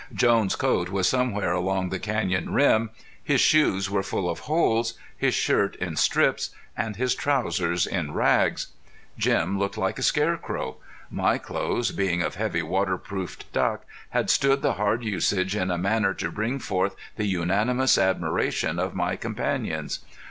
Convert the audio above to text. Jones' coat was somewhere along the canyon rim, his shoes were full of holes, his shirt in strips, and his trousers in rags. Jim looked like a scarecrow. My clothes, being of heavy waterproofed duck, had stood the hard usage in a manner to bring forth the unanimous admiration of my companions.